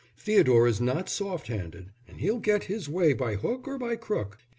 Theodore is not soft handed, and he'll get his own way by hook or by crook.